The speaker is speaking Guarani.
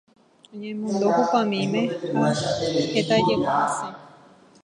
Oñemombo hupamíme ha hetájeko hasẽ.